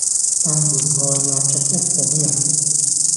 大門外立着一夥人，